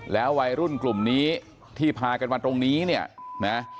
แล้ววัยรุ่นกลุ่มนี้ที่พากันมาตรงนี้เนี่ยนะ